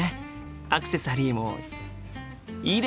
アクセサリーもいいですね！